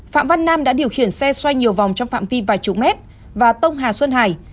phạm văn nam đã điều khiển xe xoay nhiều vòng trong phạm vi vài chục mét và tông hà xuân hải